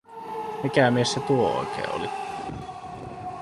Mikä mies se tuo oikein oli?